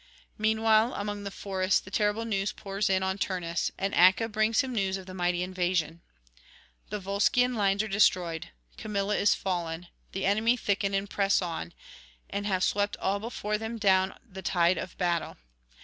Meanwhile among the forests the terrible news pours in on Turnus, and Acca brings him news of the mighty invasion; the Volscian lines are destroyed; Camilla is fallen; the enemy thicken and press on, and have swept all before them down the tide of battle.